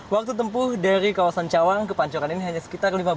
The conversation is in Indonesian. waktu tempuh dari kawasan cawang ke pancoran ini hanya sekitar lima belas menit